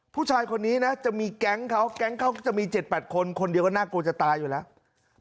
ผู้ชายคนนี้นะจะมีแก๊งเขาแก๊งเขาจะมี๗๘คนคนเดียวก็น่ากลัวจะตายอยู่แล้ว